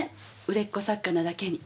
売れっ子作家なだけに。